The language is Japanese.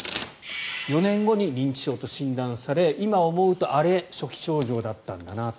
４年後に認知症と診断され今思うとあれ、初期症状だったんだなと。